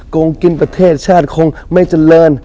โกงกินประเทศชาติคงไม่เจริญ